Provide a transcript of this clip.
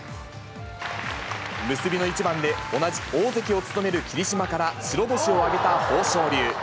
結びの一番で、同じ大関を務める霧島から白星を挙げた豊昇龍。